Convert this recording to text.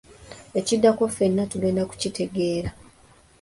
Ekiddako ffenna tugenda ku kitegera.